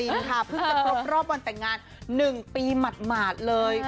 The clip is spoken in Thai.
เพิ่งจะขบรอบเดือนวันแต่งงาน๑ปีหมาดเลย